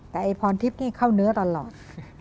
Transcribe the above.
แต่ไอพรทิพย์นี่เข้าเนื้อตลอด